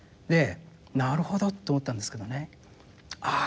なるほどって思ったんですけどねああ